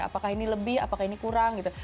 apakah ini lebih apakah ini kurang gitu